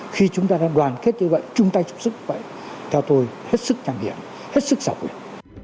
khi chúng ta đang đoàn kết như vậy chung tay chụp sức theo tôi hết sức nhằm hiển hết sức giảo quyền